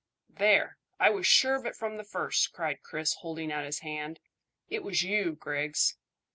"There, I was sure of it from the first," cried Chris, holding out his hand; "it was you, Griggs."